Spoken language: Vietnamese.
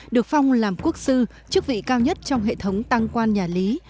được phong làm quốc sư chức vị cao nhất trong hệ thống tăng quan nhà lý